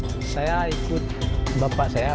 kepala kepala pertama tiongkok indonesia